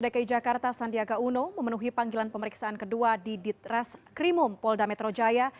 dki jakarta sandiaga uno memenuhi panggilan pemeriksaan kedua di ditres krimum polda metro jaya